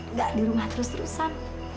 nggak di rumah terus terusan